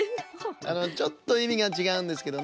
あのちょっといみがちがうんですけどね。